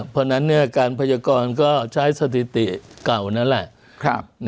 เพราะฉะนั้นการพยากรก็ใช้สถิติเก่านั่นแหละ